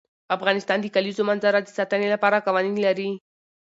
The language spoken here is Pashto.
افغانستان د د کلیزو منظره د ساتنې لپاره قوانین لري.